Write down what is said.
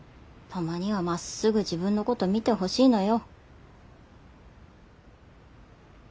たまにはまっすぐ自分のこと見てほしいのよ。